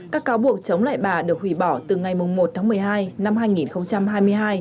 các cáo buộc chống lại bà được hủy bỏ từ ngày một tháng một mươi hai năm hai nghìn hai mươi hai